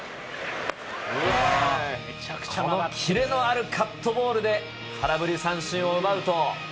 このキレのあるカットボールで、空振り三振を奪うと。